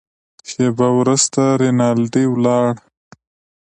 شېبه وروسته رینالډي ولاړ.